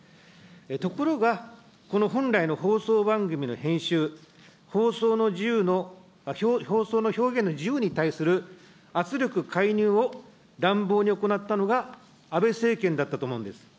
ところが、この本来の放送番組の編集、放送の自由の、放送の表現の自由に対する圧力、介入を乱暴に行ったのが、安倍政権だったと思うんです。